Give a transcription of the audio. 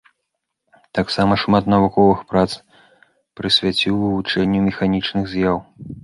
Таксама шмат навуковых прац прысвяціў вывучэнню механічных з'яў.